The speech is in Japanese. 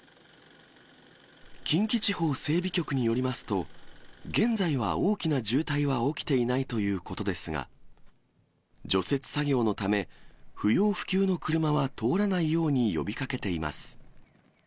近畿地方整備局によりますと、現在は大きな渋滞は起きていないということですが、除雪作業のため、不要不急の車は通らないように呼びかけています。